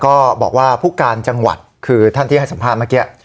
ก็บอกว่าภูการจังหวัดคือท่านที่ให้สัมภาพนี้